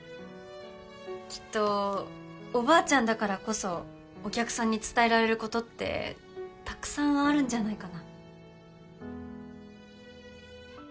きっとおばあちゃんだからこそお客さんに伝えられることってたくさんあるんじゃないかな。